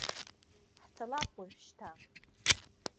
Ҳцалап уажәшьҭа!